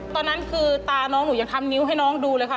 ตอนนั้นคือตาน้องหนูยังทำนิ้วให้น้องดูเลยค่ะ